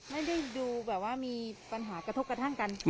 ไม่ได้ดูแบบว่ามีปัญหากระทบกระทั่งกัน